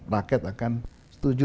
rakyat akan setuju